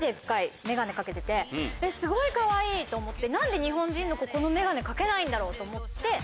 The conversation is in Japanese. かけててすごいかわいいと思って何で日本人の子このメガネかけないんだろうと思って。